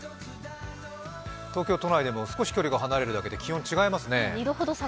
東京都内でも少し距離が離れるだけで気温違いますね。